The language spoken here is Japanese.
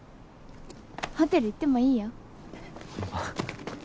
ホテル行ってもいいよ。お前。